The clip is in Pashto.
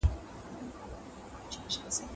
زه بايد زدکړه وکړم.